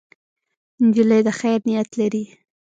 نجلۍ د خیر نیت لري.